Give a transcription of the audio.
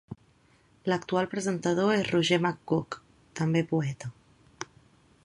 L'actual presentador és Roger McGough, també poeta.